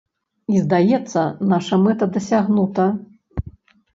І, здаецца, наша мэта дасягнута.